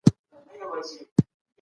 اسلام د ذمیانو ساتنه په غاړه اخیستې ده.